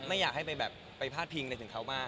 ไม่อยากให้ไปแบบไปพาดพิงอะไรถึงเขามาก